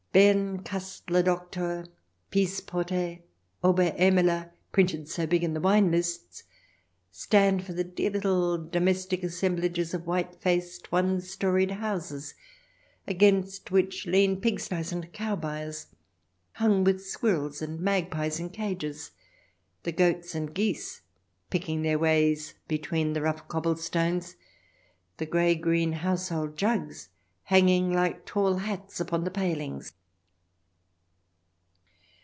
Berncastler Doctor, Pies porter, Ober Emmeler, printed so big in wine lists, stand for dear little domestic assemblages of white faced, one storied houses, against which lean pig sties and cow byres, hung with squirrels and magpies in cages, the goats and geese picking their ways between the rough cobblestones, the grey green household jugs hanging like tall hats upon the palings.